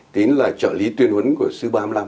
tín là trợ lý tuyên huấn của sư ba mươi năm